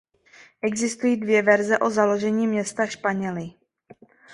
Existují dvě verze o založení města Španěly.